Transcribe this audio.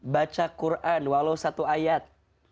baca quran walau satu ayat